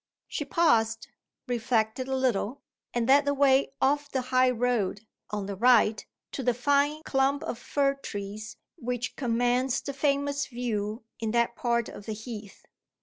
She paused reflected a little and led the way off the high road, on the right, to the fine clump of fir trees which commands the famous view in that part of the Heath.